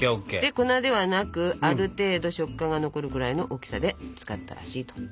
粉ではなくある程度食感が残るくらいの大きさで使ったらしいと。